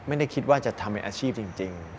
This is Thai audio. ไม่ได้คิดว่าจะทำเป็นอาชีพจริง